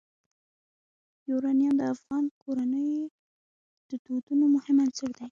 یورانیم د افغان کورنیو د دودونو مهم عنصر دی.